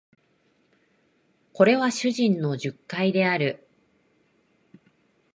これは主人の述懐である